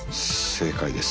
正解です。